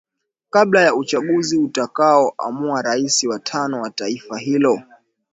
Kabla ya uchaguzi utakao amua rais wa tano wa taifa hilo.